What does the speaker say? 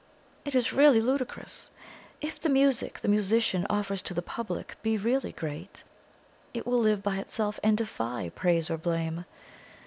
It is really ludicrous. If the music the musician offers to the public be really great, it will live by itself and defy praise or blame.